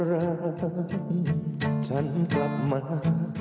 โอ้ยอดร้านฉันกลับมา